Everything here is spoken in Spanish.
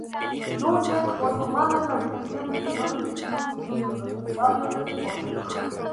Núñez fue formado en las divisiones menores del Club Universitario de Deportes.